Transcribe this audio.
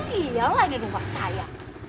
iyalah ini rumah saya